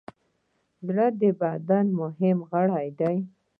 زړه د بدن مهم غړی دی.